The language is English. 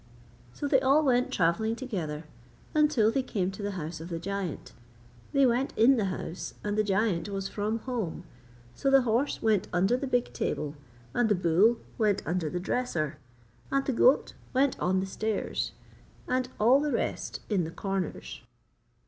So they all went travelling together until they came to the house of the giant; they went in the house and the giant was from home. So the horse went under the big table, and the bull went under the dresser, and the goat went on the stairs, and all the rest in the corners.